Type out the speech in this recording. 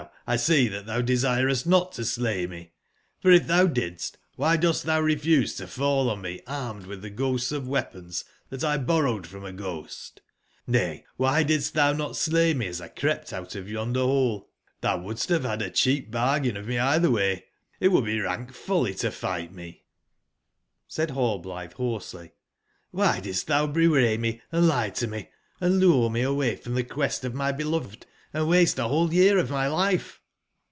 see that thou desircst not to slay me: for if thou didst, why dost thou refuse to fallonmearmed with the ghosts of weapons that X borrowed from a ghost ?JVay, why didst thou not slay me asl crept out of yonder hole ?^hou wouldst have had a cheap bargain of me either way. tt would be rank folly to fight me*'j^Said Hallblithe hoarsely: *'^hy didst thou bewray me, & lie to me, and lure me away from the quest of my beloved, and waste a whole year of my life?"